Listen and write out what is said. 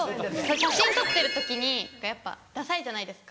写真撮ってる時にやっぱダサいじゃないですか。